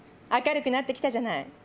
明るくなってきたじゃない。